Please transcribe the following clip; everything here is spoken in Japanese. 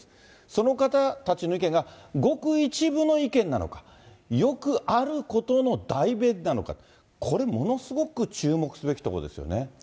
その方たちの意見が、ごく一部の意見なのか、よくあることの代弁なのか、これ、ものすごく注目すべきところですよね。